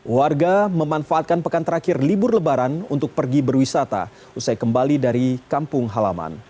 warga memanfaatkan pekan terakhir libur lebaran untuk pergi berwisata usai kembali dari kampung halaman